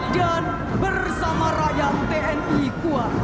dan bersama rakyat tni kuat